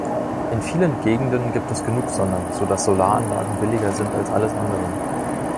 In vielen Gegenden gibt es genug Sonne, so dass Solaranlagen billiger sind als alles andere.